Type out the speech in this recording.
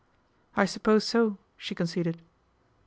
" I suppose so," she conceded.